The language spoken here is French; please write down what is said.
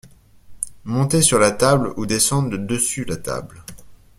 Monter sur la table ou descendre de dessus la table.